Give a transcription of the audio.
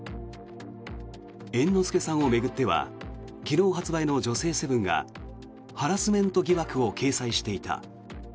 猿之助さんを巡っては昨日発売の「女性セブン」がハラスメント疑惑を掲載していた。